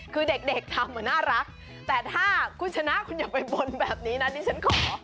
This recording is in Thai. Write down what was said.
คือเด็กทำน่ารักแต่ถ้าคุณชนะคุณอย่าไปบนแบบนี้นะดิฉันขอ